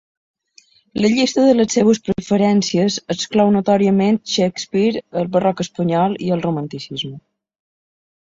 La llista de les seues preferències exclou notòriament Shakespeare, el barroc espanyol i el romanticisme.